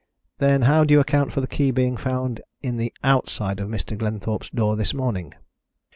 "Then how do you account for the key being found in the outside of Mr. Glenthorpe's door this morning?"